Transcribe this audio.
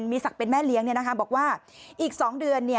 มีศักดิ์เป็นแม่เลี้ยงบอกว่าอีก๒เดือน